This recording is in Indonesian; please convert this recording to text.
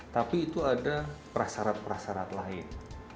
tapi itu ada perasarat perasarat lain